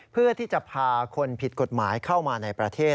เพื่อที่จะพาคนผิดกฎหมายเข้ามาในประเทศ